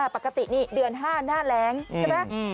ปกตินี่เดือน๕หน้าแรงใช่ไหม